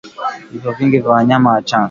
Vifo vingi vya wanyama wachanga